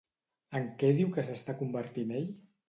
En què diu que s'està convertint ell?